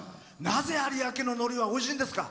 なぜ有明ののりはおいしいんですか？